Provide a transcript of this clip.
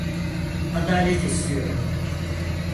Adalet istiyorum.